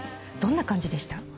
どんな感じでした？